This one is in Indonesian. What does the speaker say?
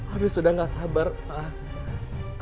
aduh sudah gak sabar pak